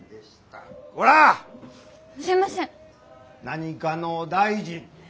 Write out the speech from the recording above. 何かの大臣！